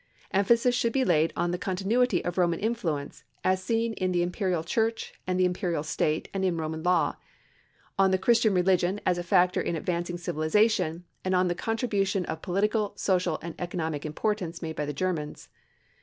Emphasis should be laid on the continuity of Roman influence, as seen in the imperial Church and the imperial State and in Roman law, on the Christian religion as a factor in advancing civilization, and on the contribution of political, social and economic importance made by the Germans.